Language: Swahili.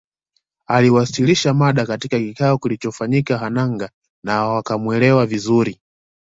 Aliwasilisha mada katika kikao kilichofanyika Hanangâ na wakamwelewa vizuri